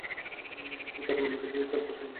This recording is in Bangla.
বেলকলি ও তার কন্যাকে ঘিরে চারপাশ আজ বেশ আনন্দময়।